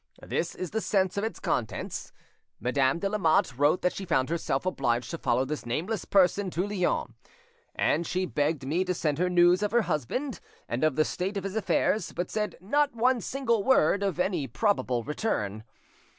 This is the sense of its contents. Madame de Lamotte wrote that she found herself obliged to follow this nameless person to Lyons; and she begged me to send her news of her husband and of the state of his affairs, but said not one single word of any probable return.